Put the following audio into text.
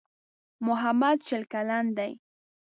محمد شل کلن دی.